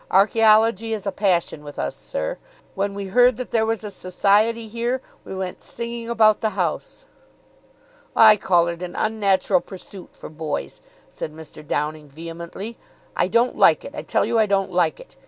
Archaeology is a passion with us, sir. When we heard that there was a society here, we went singing about the house." "I call it an unnatural pursuit for boys," said Mr. Downing vehemently. "I don't like it. I tell you I don't like it.